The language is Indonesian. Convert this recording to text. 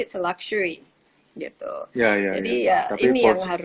it's a luxury gitu ya ini yang harus